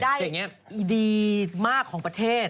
อันนี้ก็ก็เป็นรายได้ดีมากของประเทศ